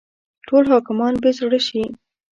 ټول حاکمان بې زړه شي.